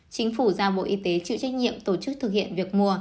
chính phủ giao bộ y tế chịu trách nhiệm tổ chức thực hiện việc mua